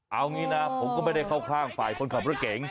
เอางี้นะผมก็ไม่ได้เข้าข้างฝ่ายคนขับรถเก๋ง